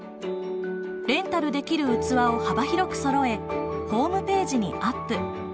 レンタルできる器を幅広くそろえホームページにアップ。